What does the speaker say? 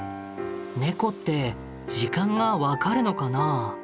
ネコって時間が分かるのかな？